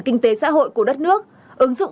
kinh tế xã hội của đất nước ứng dụng